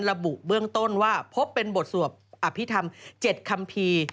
ระบุเบื้องต้นว่าพบเป็นบทสวดอภิษฐรรม๗คัมภีร์